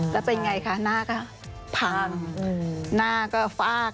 แล้วเป็นไงค่ะหน้าก็พัง